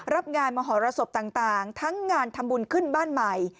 รับงานมหรสบต่างทั้งงานทำบุญขึ้นบ้านใหม่